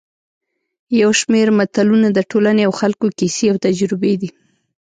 یو شمېر متلونه د ټولنې او خلکو کیسې او تجربې دي